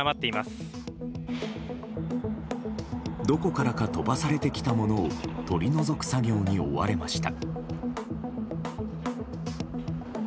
どこからか飛ばされてきたものを取り除く作業に追われました。